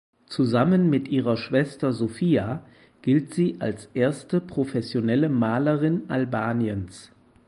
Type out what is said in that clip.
Zusammen mit ihrer Schwester Sofia gilt sie als erste professionelle Malerin Albaniens.